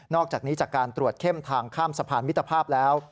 อกจากนี้จากการตรวจเข้มทางข้ามสะพานมิตรภาพแล้ว